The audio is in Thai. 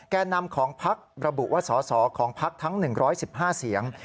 แก่นำของพักระบุว่าสอสอของพักทั้ง๑๑๕เสียง